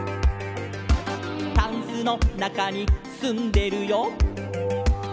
「タンスのなかにすんでるよ」